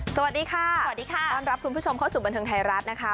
สวัสดีค่ะสวัสดีค่ะต้อนรับคุณผู้ชมเข้าสู่บันเทิงไทยรัฐนะคะ